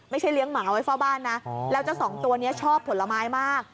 เลี้ยงหมาไว้เฝ้าบ้านนะแล้วเจ้าสองตัวนี้ชอบผลไม้มาก